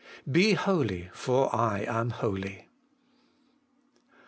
BE HOLY, FOR I AM HOLY.